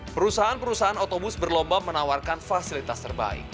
perusahaan perusahaan otobus berlomba menawarkan fasilitas terbaik